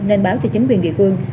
nên báo cho chính quyền địa phương